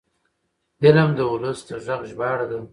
فلم د ولس د غږ ژباړه ده